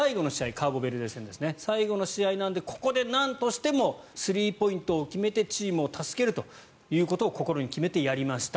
カーボベルデ戦ですね最後の試合なのでここでなんとしてもスリーポイントを決めてチームを助けるということを心に決めてやりました。